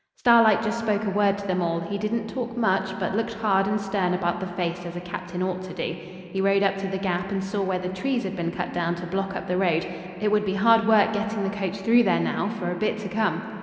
Starlight just spoke a word to them all; he didn't talk much, but looked hard and stern about the face, as a captain ought to do. He rode up to the gap and saw where the trees had been cut down to block up the road. It would be hard work getting the coach through there now for a bit to come.